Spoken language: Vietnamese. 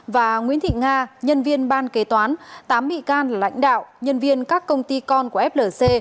và nguyễn thị nga nhân viên ban kế toán tám bị can lãnh đạo nhân viên các công ty con của flc